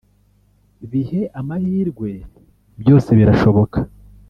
bihe amahirwe byose birashoboka